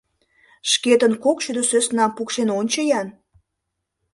Шкетын кок шӱдӧ сӧснам пукшен ончо-ян!